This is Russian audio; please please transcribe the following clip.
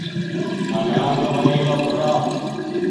Она говорила правду.